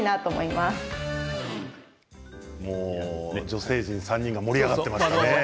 女性陣３人が盛り上がっていますね。